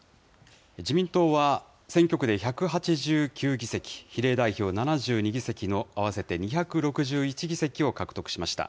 自民党は選挙区で１８９議席、比例代表７２議席の合わせて２６１議席を獲得しました。